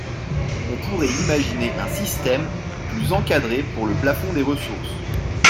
On pourrait imaginer un système plus encadré pour le plafond des ressources.